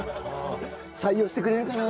採用してくれるかな？